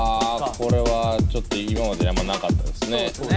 これはちょっと今まであんまなかったですね。